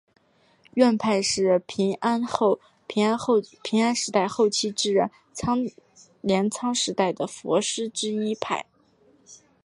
院派是平安时代后期至镰仓时代的佛师之一派。